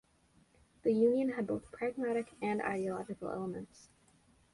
The union had both pragmatic and ideological elements.